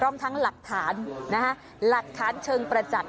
ร่วมทั้งหลักฐานนะฮะหลักฐานเชิงประจัด